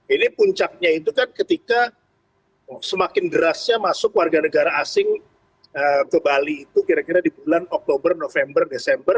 ini puncaknya itu kan ketika semakin derasnya masuk warga negara asing ke bali itu kira kira di bulan oktober november desember